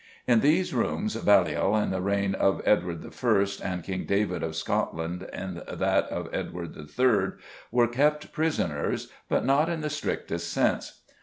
In these rooms Baliol in the reign of Edward I., and King David of Scotland in that of Edward III., were kept prisoners, but not in the strictest sense.